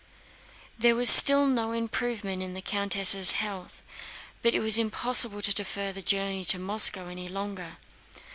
There was still no improvement in the countess' health, but it was impossible to defer the journey to Moscow any longer.